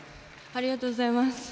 ありがとうございます。